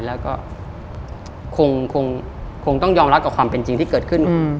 แล้วก็คงต้องยอมรับกับความเป็นจริงที่เกิดขึ้น